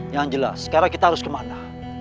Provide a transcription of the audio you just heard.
yang jelas sekarang kita harus kemana